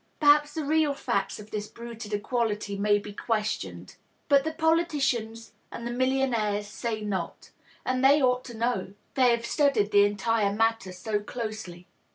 Perhaps the real facts of this bruited equality may be questioned. But the politicians and the mil lionaires say not. And they ought to know ; they have studied the entire matter so closely.